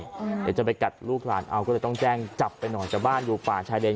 เดี๋ยวจะไปกัดลูกหลานเอาก็เลยต้องแจ้งจับไปหน่อยแต่บ้านอยู่ป่าชายเลน